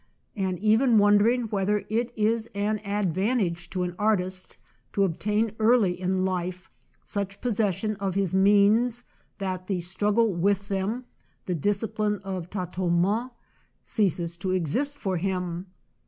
and even wondering" whether it is an advan tage to an artist to obtain early in life such possession of his means that the struggle with them, the discipline of td tonnement, ceases to exist for him.